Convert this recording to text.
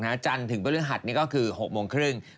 าจันทร์ถึงบริหัสก็คือหกโมงครึ่ง